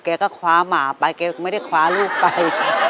แกก็คว้าหมาไปแกก็ไม่ได้คว้าลูกไป